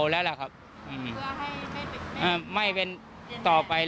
และ